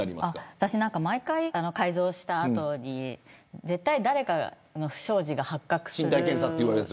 私は毎回、改造した後に絶対、誰かの不祥事が発覚する。